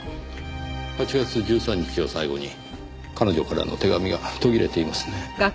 ８月１３日を最後に彼女からの手紙が途切れていますね。